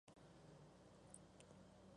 ¿Habré yo visitado?